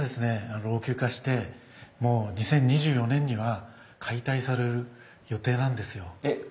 老朽化してもう２０２４年には解体される予定なんですよ。えっ？